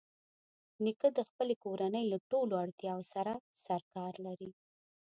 نیکه د خپلې کورنۍ له ټولو اړتیاوو سره سرکار لري.